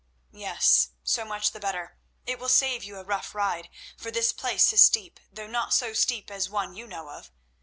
Yes; so much the better; it will save you a rough ride, for this place is steep, though not so steep as one you know of.